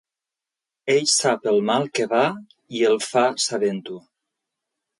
Ell sap el mal que va i el fa sabent-ho.